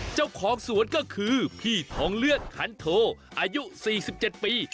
เจ้าของสวนก็คือพี่ทองเลือดขันโทอายุ๔๗ปี